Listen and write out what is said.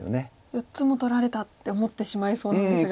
４つも取られたって思ってしまいそうなんですが。